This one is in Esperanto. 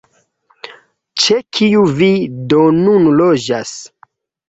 Ĉe kiu vi do nun loĝas?